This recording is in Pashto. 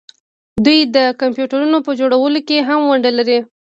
دوی د کمپیوټرونو په جوړولو کې هم ونډه لري.